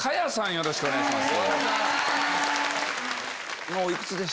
よろしくお願いします。